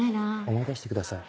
思い出してください。